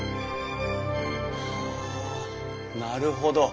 はあなるほど。